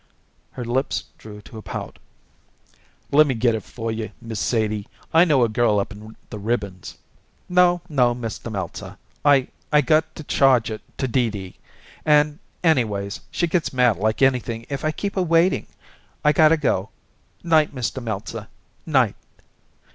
Her lips drew to a pout. "Lemme get it for you, Miss Sadie. I know a girl up in the ribbons " "No, no, Mr. Meltzer. I I got to charge it to Dee Dee, and, anyways, she gets mad like anything if I keep her waiting. I gotta go. 'Night, Mr. Meltzer! 'Night!"